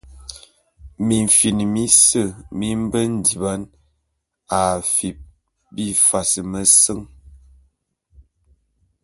Mimfin mise mi mbe ndiban a afip bifas meseñ.